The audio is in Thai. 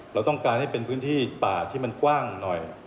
เราต้องการให้เป็นพื้นที่ป่าที่มันกว้างหน่อย